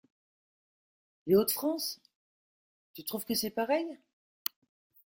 Les Hauts-de-France? Tu trouves que c’est pareil ?